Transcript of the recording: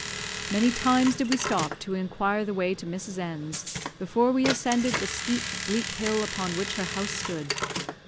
Many times did we stop to inquire the way to Mrs. N 's, before we ascended the steep, bleak hill upon which her house stood.